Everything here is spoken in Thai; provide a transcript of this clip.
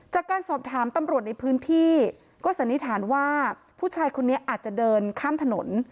จากการสอบถามตำรวจในพื้นที่ก็สันนิษฐานว่าผู้ชายคนนี้อาจจะเดินข้ามถนน